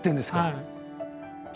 はい。